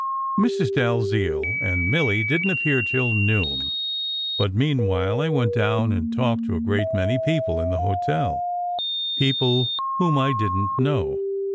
Mrs. Dalziel and Milly didn t appear till noon; but mean while I went down and talked to a great many people in the hotel, people whom I didn t know.